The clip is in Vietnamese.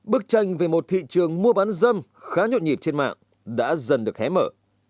bức tranh về một thị trường mua bán dâm khá nhuận nhịp trên mạng đã dần được hé mở